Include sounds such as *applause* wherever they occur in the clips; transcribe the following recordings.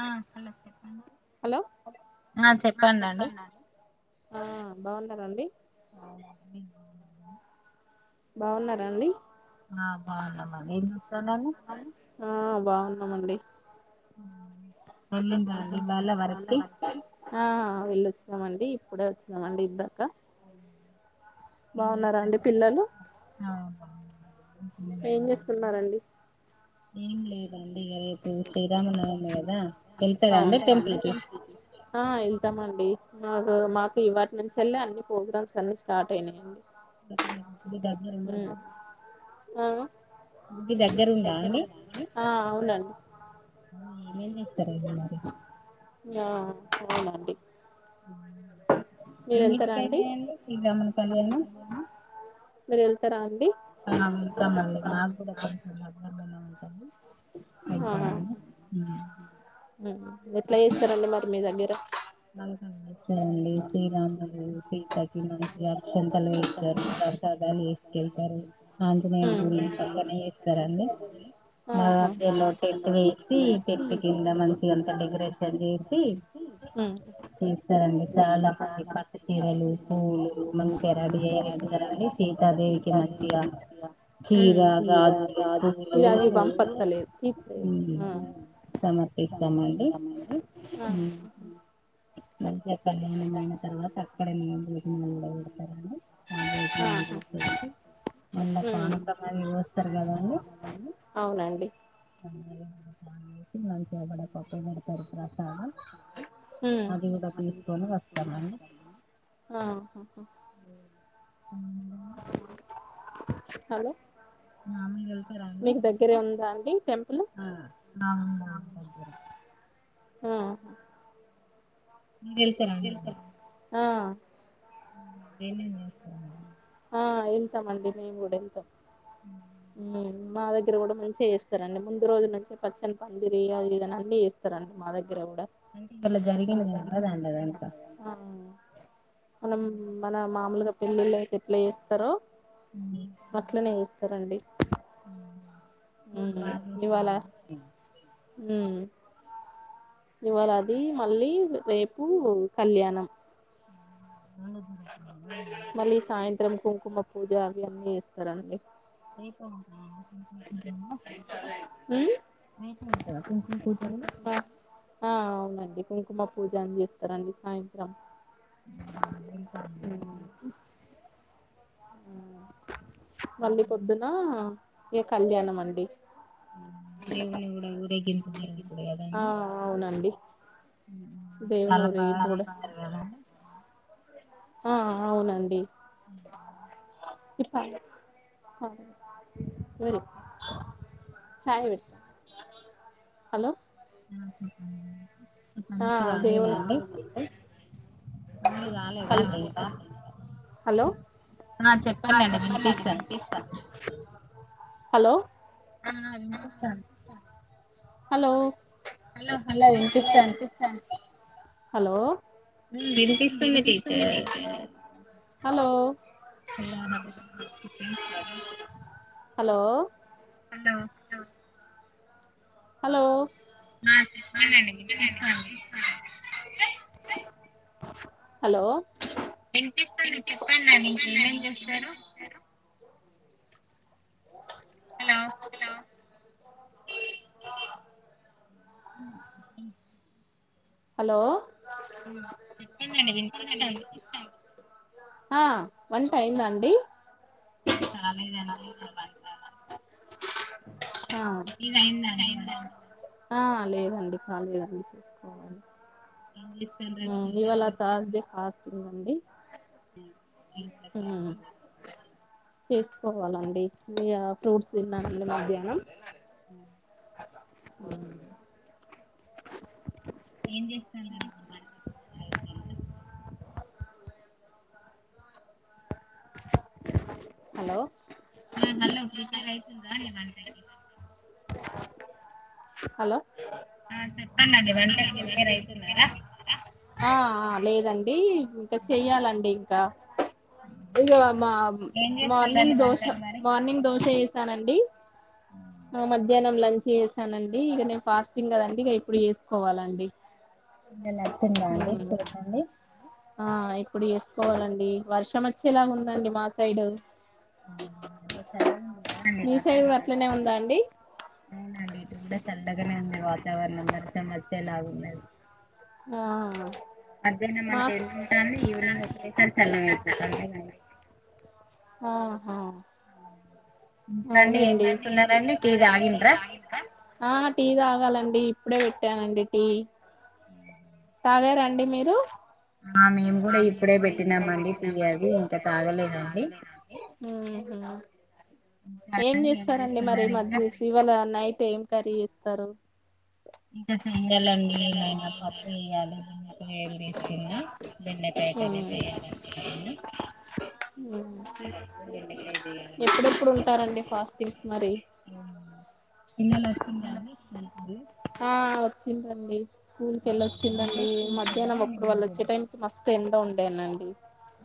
ఆ అలా చెప్పానా ఆ చెప్పండండి అండి బాగున్నారాండి ఆ బాగున్నామ్మా ఏం చేస్తన్నారు ఆ బాగున్నామండి వెళ్ళిందా అండి ఇవాళ వరకి వెళ్ళి వచ్చినామండి ఇప్పుడే వచ్చినాంమండి ఇందాకా ఆ బాగునారు ఏం చేస్తున్నారండి ఏం లేదండిగా శ్రీరామ నవమి కదా వేల్ళ్తారా అందరూ టెంపుల్కి వెళ్తామండి మా మాకు ఇవాటి నుంచి వెళ్ళి అన్ని ప్రోగ్రామ్స్ అన్ని స్టార్ట్ అయినాయండి అ గుడి దగ్గర ఉందా గుడి దగ్గర ఉందా అండి న సరే మరి ఆ అవునండి ఎన్నింటికైతయండి శ్రీ రమ కళ్యాణం మీరు వెళ్తారా అండి ఆ వెళ్తాం అండి నా కూడా కొంచం ఇంకా అండి ఎట్లా చేస్తారండి మరి మీ దగ్గర అడి చేస్తారండి చాలా చీరా ఇ అవి పంపలే తీ మళ్కే కళ్యాణం అయిన తర్వాత అక్కడే నేను భోజనాలు పెడతారని ఆ భోజనాలు చేసి మళ్ళా పానుకమది చూస్తారు కదా అని అ మనీ న చేేపడ కోప్ప గతరి రాసాల అ హలో మ నిర్మాల్గా వెళ్తారా అండి ఆ ఇతే రాారు ఆ వళ చేస్త ఆ వెళ్తామండి మేము కూడా వెళ్తాం మాద దగ్గర కూడా నుంచే చేస్తారండి ముందు రోజుల నుంచే పచ్చని పందిరి ఇద అన్నీ చేేస్తారండి మా దగ్గర దగ్గర కూడా మనం మన మామూలుగా అ ప్లే చేస్తారో అట్ల న చూస్తార అండి ఉ హ ఇవాల హ యువరాది మళ్ళీ రేపు కళ్యాణం మ మళ్ళీ సాయంత్రం కుంకుమ పూజ అవ అన్నీ ఇస్తారండి అపో ఆ డి కుంకుమ పూజ అని చేస్తారంండి సాయంత్రం అ మళ్ళీ పొద్దున ఏ కళ్యాణం అండి దేవు్ణి కూడా ఊరేగింత జరుగుతుంది కదండి దేవునరు ఇప్పుడ ఆ అవునండి ఆ ఇప్ప అడి ఇవరి చాయ విడి హలో ఆప్ప ఆ దేవుల పనులు కాలేదా అండి ఇక చెప్పాలండి వినిపిస్తాను హలో ఆ అ విం చెస్తాను హలో హలో హలా రన్పిస్తాన్ హలో వినిపిస్తుంది టీచర్ హలో అలాన ఇప్ప కూడా హలో హాలో హలో ఆ చెప్పడండి విపిస్తంది హలో వినిపిస్తుంది చెప్పడండి ఇంక ఏమేమేం చేస్తారు *inaudible* హలో చెప్పననండి వినిపిస్తాంది ఆ వంట అయింద అండి కాలేదండి ఇంక వంట *inaudible* మీ దయిందండి వంట ఆ లేదండి కాలేదండి ఇవళ తర్స్డే ఫాస్ స్టింగ్ అండీ అ *unintelligible* పోవాలండి ఫ్రూట్స్ తిన్నాండి మధ్యాహ్నం *inaudible* *inaudible* ఏం చేస్తాడ్రండి *unintelligible* హలో ఆ హలో ప్రిపేర్ ఐయితుందా వంటక హలో ఆ లేదండి ఇంకా చెయ్యాలండి క్క ఇగ మా మార్నింగ్ దోశ మార్నింగ్ దోశ ఏసీ స్తానండి మధ్యాహ్నం లంచ్ చేసానండి ఇక నేను ఫాస్టింగ్ కదండి ఇక ఇప్పుడు చేసుకోవాలండి నటుందా అండి చూడండి ఆ ఇప్పుడు చేసుకోవాలండి వర్షం వచ్చేలా ఉందండి మా సైడు *unintelligible* అవునండి వాతావరణం అవునా అండి ఇటు కూడా సల్లగనే ఉంది వాతావరణం వర మచ్చేలాగున్నది అధ్యయనం అంటే ఎన్ని ఉంటాంది ఈవినింగ్ ఒకటేసారి చల్లగ అయిపోతాయి కదండి ఆహా అవునండి ఆ టీ తాగాలండి ఇప్పుడే పెట్టాను అండి టి ఉ తాగేర అండి మీరు ఆ మేము కూడా ఇప్పుడే పెట్టినాం మనకి తీయిది ఉంటే తాగలేనన్ని ఏం చేస్తారండి మరి మధ చేసి ఇవాళ నైట్ ఏం కర్రీ చేస్త సరు ఇంకా చేయలండి ఏమైనా పప్పు వేయాలి అండి య తీసుకున్నా బెండకాయ కర్రీ చేయాలనుకుంటున్నా ఉ పిల్లలు వచ్చిండ్రా అండి అ ఆ వచ్చిందండి స్కూల్ కి ఎల్లి వచ్చిందండి మధ్యాహ్నం అప్పుడు వాళ్ళ వచ్చే టైంకి మస్తు ఎండ ఉంది అదేనండి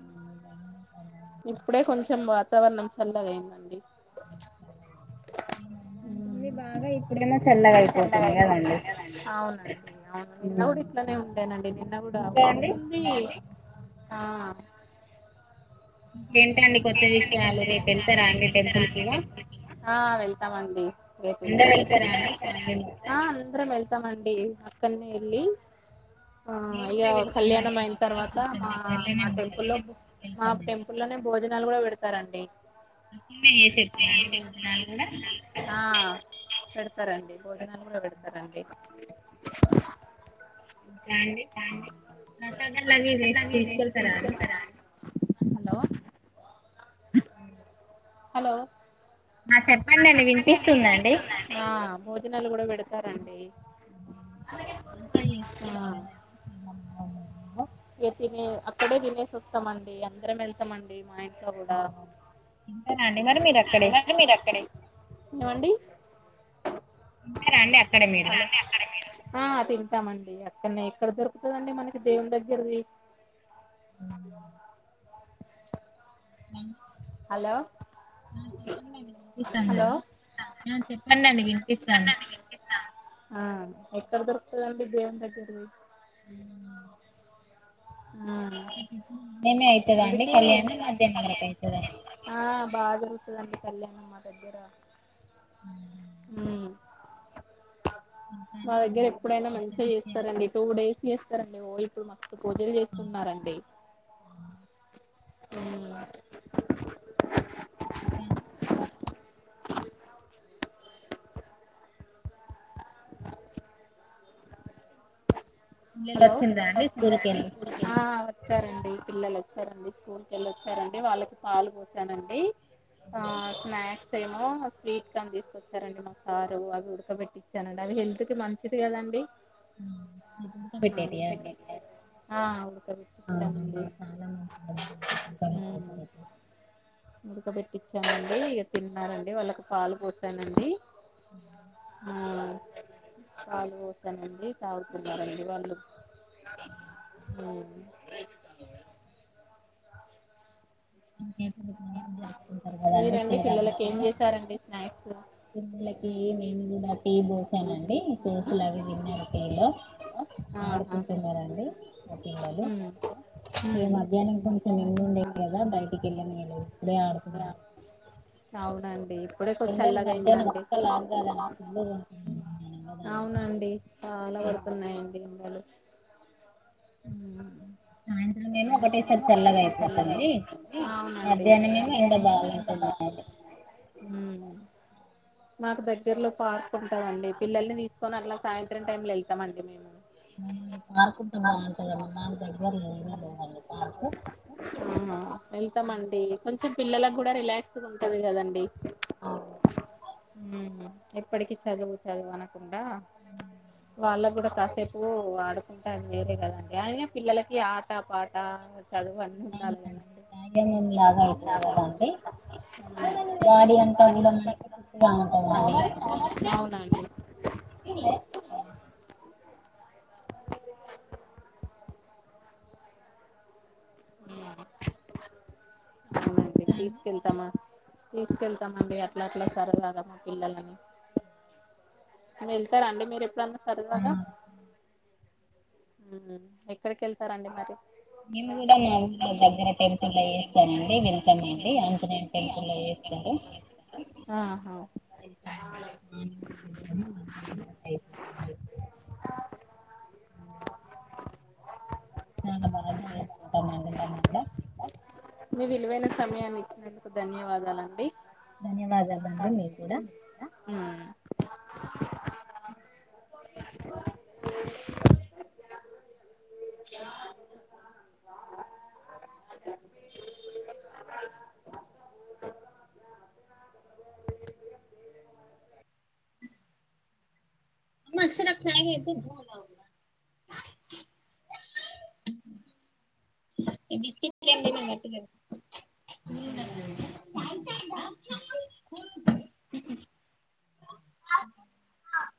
అవును గాని న్ ఇప్పుడే కొంచెం వాతావరణం చల్లగాయిందండి చల్లగా అయిపోతుంది అవునండి అవును నిన్న కూడా ఇట్లనే ఉండేనండి నిన్న కూడా ఉరుముతుంది ఆ ఇంకేంటండీ కొత్తగా విసయాలు రేపు వెళ్తారా అండి టెంపుల్ కి ఆ వెళ్తామండి రేపు వెళ్తామండి ఎలా వేల్తారండి ఆ వేల్తామ్ ఇస్తామండి అక్కనే ఎల్లి ఆ ఇక కళ్యాణం అయిన తర్వాత మా మా టెంపుల్లో మా టెంపుల్లో నే భోజనాలు కూడా పెడతారండి న్నే చేసతురా అండి భోజనాాలు కూడా స్తారండి భోజనాలు కూడా పెడతారండి ఇంకా అండి ప్రసాదాలు అవియివే తీసుకెళ్తారా అండి హలో అ హలో ఆ చెప్పండి అండి వినిపిస్తుందండి బోజనాలు కూడా పెడతారండి అంతా తిసుకుంటారు కదా అండి ఏతి ఇక్కడే తినేసి వస్తామండి అందరం వెళ్తామండి మా ఇ కూడానివ్వండి మీర అక్కడే ఇవండి తింటారా అండి అక్కడ మీరు ఆ తింటామండి అక్కడనే ఎక్కడ దొరుకుతుదిండి మనకి దేని దగ్గరిది ఉమ్ చెప్పండి అండి వినిపిస్తాంది ఆ ఎక్కడ దొరుకుతది అండి దేవుని దగ్గరది ఉమ్ మయి అందుకే బాగా జరుగుతాది న్న కళ్యాణమ్ మా దగ్గర ఉమ్ ఉమ్ మా దగ్గర ఎప్పుడైనా మంచిగా చేస్తారండి టూ డేస్ చేస్త ారండి ఓ ఇప్పుడు మస్తు పూజలు చేస్తున్నారండి ఉమ్ ఇంకా అండి హలో పిల్లొల్లు వచ్చారండి వచ్చారండి స్కూల్ కెళ్ళొచ్చారండి వాళ్ళకి పాలు పోశానండి ఆ స్నాక్స్ స ఏమో స్వీట్ కార్న్ తీసుకొచ్చారండి మా సారు అవి ఉడకబెట్టించానండి అవి హెల్త్ కి మంచిది కదండి ఉమ్ ఉడకపెట్టేటివా అండి ఆ అవు ఆవున కాల మ ఉడకబెట్టించానండి ఇక తిన్నారండి వాళ్ళకి పాలు పోసానండి ఆ చాలు వసానండి తాగు వాళ్ళ ఉమ్ ఉమ్ మీరండి పిల్లలకి ఏం చేశారండి స్నాక్స్ ఈ నేను టీ పోసానండి పెసులు అవి తిన్నారు లో ఆడుకుంటున్నారండి మా పిల్లలు ఈ మధ్యాహ్నం కొంచెం ఎండలు ఉండేవి కదా బయట ఇప్పుడే ఆడుకుంటున్నారు అవునండి ఇప్పుడే కొంచం చల్లగయిందండి అవునండి చాలా పడుతున్నాయండి గుండాలు హమ్ ఆమ ఒకటేసారి చల్లవ అవునండి మధ్యాహ్నమేమో ఎంత బాగు హమ్ మాకు దగ్గర్లో పార్క్ ఉంటదండి పిల్లల్ని తీసుకొని అట్ల సాయంత్రం టైమ్ లో వెళ్తామ అండి మేము ఆ వెళ్తామండి కొంచెం పిల్లల కూడా రిలాక్స్ గుం అది కదండి ఆఓ హమ్ ఎప్పటికి చదువు చదువు అనకుండా వాళ్ళ గూడా కాసేపు ఆడుకుంటారు వేరే కదండి అ పిల్లలకి ఆట పాట చదువు అన్ని ఉండాలి కదా నాకేం లాగా అయిపోలేదండి గాడి అంతా గూడా *inaudible* అవునండి తీసుకెళ్తామా తీసుకెళ్తామండి అట్లా అట్ల సరదగా మా పిల్లలని వెళ్తారాండి మీరు ఎప్పుడన్నా సరదగా ఎక్కడికి వెళ్తారండి మరి మేము గూడా మా ఊర్లో దగ్గర టెంపుల్ అయ్యేస్తా అండి వెల్కమ్ అండి అంతనే టెంపుల్ చేస్తరు అ మీ విలువైన సమయాన్ని ఇచ్చినందుకు ధన్యవాదాలండి ధన్యవాదాలు అండి మీ గూడా ఆ అ అచ్చరాతే బస్